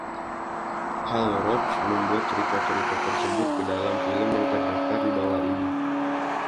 Hal Roach membuat cerita-cerita tersebut ke dalam film yang terdaftar di bawah ini.